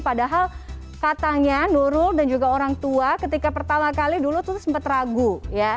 padahal katanya nurul dan juga orang tua ketika pertama kali dulu tuh sempat ragu ya